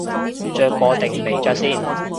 着過定未着先